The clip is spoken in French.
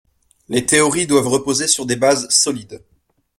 les théories doivent reposer sur des bases solides